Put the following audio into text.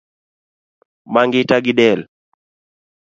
Ma ngita gidel